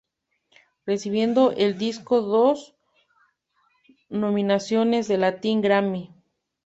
Recibiendo el disco dos nominaciones al Latin Grammy.